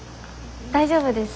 大丈夫です。